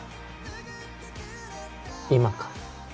今か？